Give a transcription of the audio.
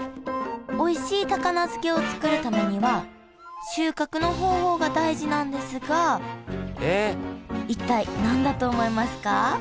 おいしい高菜漬けを作るためには収穫の方法が大事なんですが一体何だと思いますか？